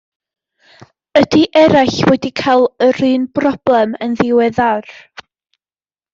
Ydy eraill wedi cael yr un broblem yn ddiweddar?